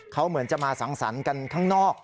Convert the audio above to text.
เขาเหมือนจะมาสังสรรค์กันข้างนอก